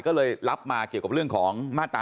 ก็เลยรับมาเกี่ยวกับเรื่องของมาตรา๑